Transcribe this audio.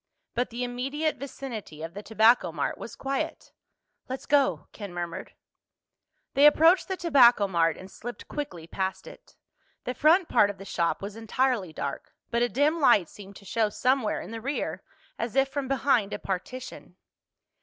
But the immediate vicinity of the Tobacco Mart was quiet. "Let's go," Ken murmured. They approached the Tobacco Mart and slipped quickly past it. The front part of the shop was entirely dark, but a dim light seemed to show somewhere in the rear, as if from behind a partition.